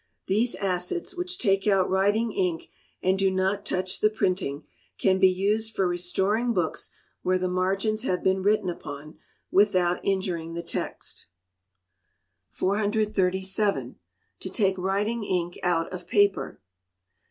These acids, which take out writing ink, and do not touch the printing, can be used for restoring books where the margins have been written upon, without injuring the text. 437. To take Writing Ink out of Paper.